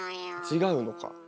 違うのか。